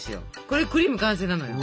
これクリーム完成なのよ。